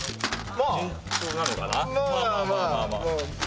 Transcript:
まあまあまあまあまあまあまあ